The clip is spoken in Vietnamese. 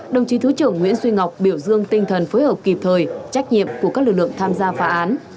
đồng chí thứ trưởng nguyễn duy ngọc biểu dương tinh thần phối hợp kịp thời trách nhiệm của các lực lượng tham gia phá án